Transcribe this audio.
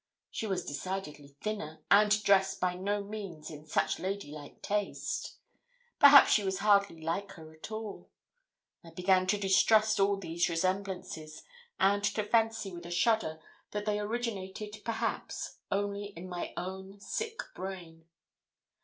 She was decidedly thinner, and dressed by no means in such lady like taste. Perhaps she was hardly like her at all. I began to distrust all these resemblances, and to fancy, with a shudder, that they originated, perhaps, only in my own sick brain.